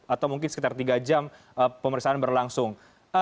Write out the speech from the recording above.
atau mungkin sekitar tiga jam pemeriksaan berlangsung